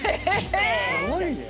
すごいね。